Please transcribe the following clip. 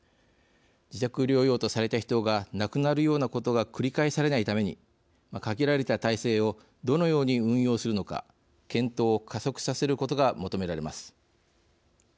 自宅療養とされた人が亡くなるようなことが繰り返されないために限られた体制をどのように運用するのか検討を加速させることが求められます。